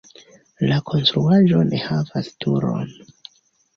La konstruaĵo ne havas turon.